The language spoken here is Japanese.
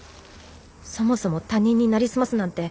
そもそも他人になりすますなんて